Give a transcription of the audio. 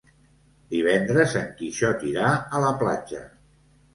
Divendres en Quixot irà a la platja.